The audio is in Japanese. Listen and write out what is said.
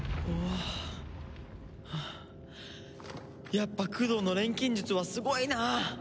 やっぱ九堂の錬金術はすごいな。